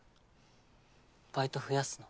バイト増やすの？